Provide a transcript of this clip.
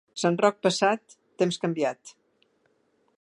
Sant Roc passat, temps canviat.